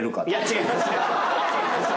違います。